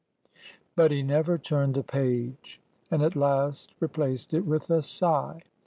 But he never turned the page, and at last replaced it with a sigh.